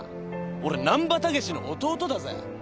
俺難破猛の弟だぜ。